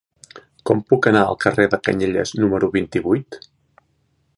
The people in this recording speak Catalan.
Com puc anar al carrer de Canyelles número vint-i-vuit?